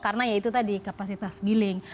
karena itu tadi kapasitas giling